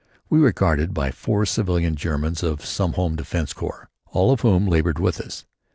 We were guarded by four civilian Germans of some home defense corps, all of whom labored with us.